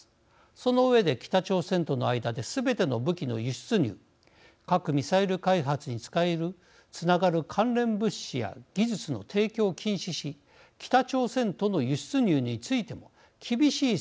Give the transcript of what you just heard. その上で北朝鮮との間ですべての武器の輸出入核・ミサイル開発につながる関連物資や技術の提供を禁止し北朝鮮との輸出入についても厳しい制限を加えています。